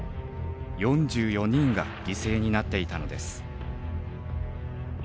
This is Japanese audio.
４４人が犠牲になっていたのです。